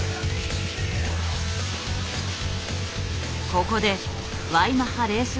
ここでＹマハレース